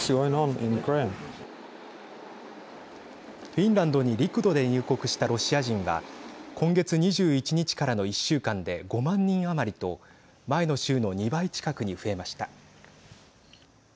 フィンランドに陸路で入国したロシア人は今月２１日からの１週間で５万人余りと前の週の２倍近くに増えました。